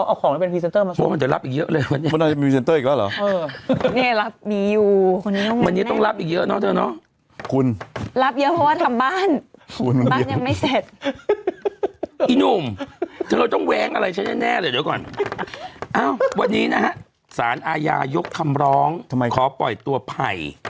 โดยก็เหรอคุณรับแล้วว่าทำบ้านทั้งไม่เสร็จอีกยังแง่เลยก่อนวันนี้นะฐานยกคำร้องทำไมขอปล่อยตัวไผ่